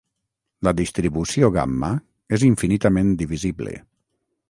La distribució gamma és infinitament divisible.